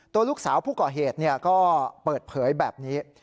ตัวลูกสาวผู้ก่อเหตุก็เปิดเผยแบบนี้